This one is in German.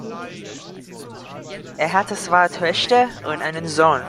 Er hatte zwei Töchter und einen Sohn.